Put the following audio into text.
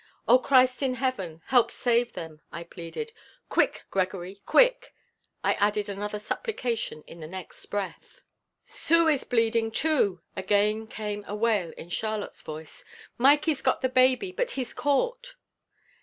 "O Christ in Heaven, help save them!" I pleaded. "Quick, Gregory, quick!" I added another supplication in the next breath. "Sue is bleeding, too!" again came a wail in Charlotte's voice. "Mikey's got the baby, but he's caught."